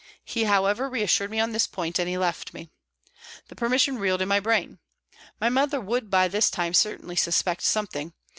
He, however, reassured me on this point and he left me. The permission reeled in my brain. My mother would by this time certainly suspect something.